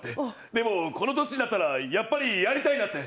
でも、この年になったら、やっぱりなりたいなって。